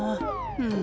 うん。